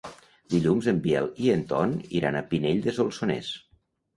Dilluns en Biel i en Ton iran a Pinell de Solsonès.